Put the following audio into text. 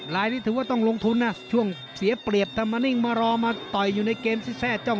ลายนี้ถือว่าต้องลงทุนนะช่วงเสียเปรียบถ้ามานิ่งมารอมาต่อยอยู่ในเกมที่แทร่จ้อง